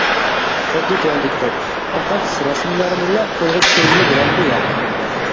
خۇددى تۆۋەندىكىدەك: پەقەت رەسىملەرنىلا قولغا چۈشۈرگىلى بولامدۇ؟ ياق!